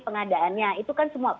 pengadaannya itu kan semua